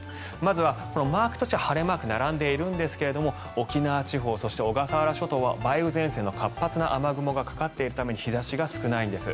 マークとしては晴れマークが並んでいるんですが沖縄地方、そして小笠原諸島は梅雨前線の活発な雨雲がかかっているために日差しが少ないんです。